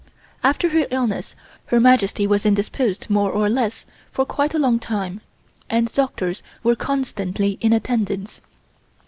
After her illness Her Majesty was indisposed more or less for quite a long time, and doctors were constantly in attendance.